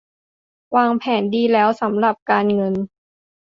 วางแผนดีแล้วสำหรับการเงิน